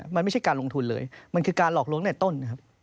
มันไม่ใช่การลงทุนเลยมันคือการหลอกลวงในต้นนะครับ